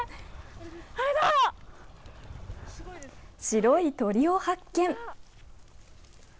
白い鳥を発見。